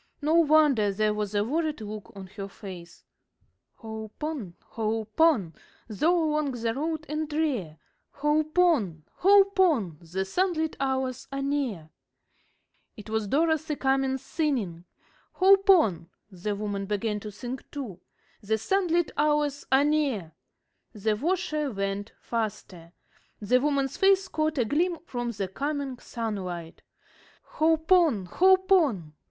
No wonder there was a worried look on her face. "Hope on! hope on! Though long the road and drear. Hope on! hope on! The sunlit hours are near." [Illustration: "Hope on."] It was Dorothy Cummins singing! "Hope on!" The woman began to sing too. "The sunlit hours are near!" The washer went faster. The woman's face caught a gleam from the coming sunlight. "Hope on! Hope on!"